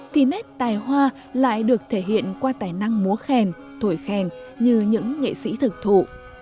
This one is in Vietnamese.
thì nét tài hoa lại được thể hiện qua tài năng múa khen thổi khen như những nghệ sĩ thực thụ